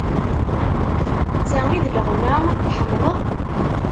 D ta i d leɣna tḥemmleḍ?